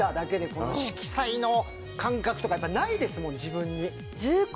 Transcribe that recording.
この色彩の感覚とかないですもん自分に。